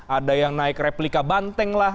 ada yang naik replika banteng lah